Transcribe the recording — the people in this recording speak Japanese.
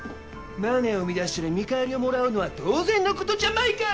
マネーを生み出したら見返りをもらうのは当然のことジャマイカ！